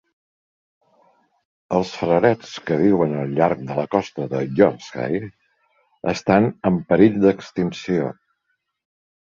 Els frarets que viuen al llarg de la costa de Yorkshire estan en perill d'extinció.